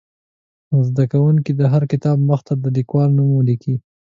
زده کوونکي دې د هر کتاب مخ ته د لیکوال نوم ولیکي.